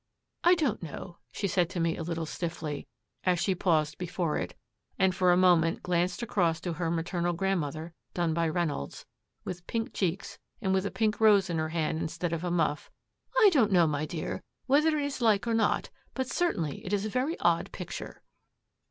'I don't know,' she said to me a little stiffly, as she paused before it, and for a moment glanced across to her maternal grandmother done by Reynolds, with pink cheeks, and with a pink rose in her hand instead of a muff, 'I don't know, my dear, whether it is like or not, but certainly it is a very odd picture.'